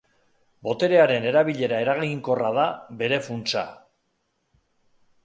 Boterearen erabilera eraginkorra da bere funtsa.